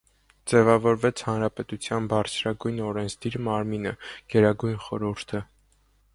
Ձևավորվեց հանրապետության բարձրագույն օրենսդիր մարմինը՝ Գերագույն խորհուրդը։